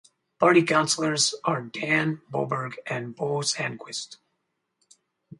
Party councilors are Dan Boberg and Bo Sandquist.